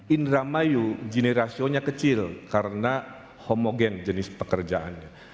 indramayu gini rasionya kecil karena homogen jenis pekerjaannya